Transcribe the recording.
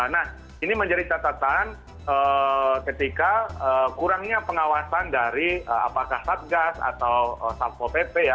nah ini menjadi catatan ketika kurangnya pengawasan dari apakah satgas atau salpo pp ya